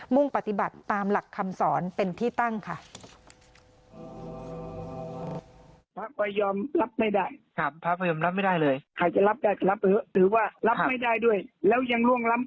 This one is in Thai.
่งปฏิบัติตามหลักคำสอนเป็นที่ตั้งค่ะ